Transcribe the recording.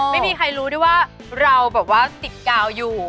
ไม่มีใครรู้ด้วยว่าเราแบบว่าติดกาวอยู่